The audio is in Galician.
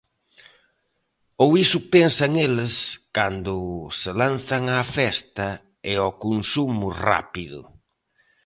Ou iso pensan eles cando se lanzan á festa e ao consumo rápido.